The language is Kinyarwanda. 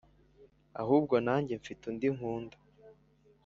Ahubwo nanjye mfite undi nkunda